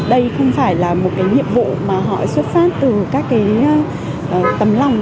đây không phải là một nhiệm vụ mà họ xuất phát từ các tầm lòng